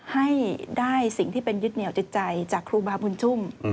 ให้ได้สิ่งที่เป็นยึดเหนียวจิตใจจากครูบาบุญชุ่ม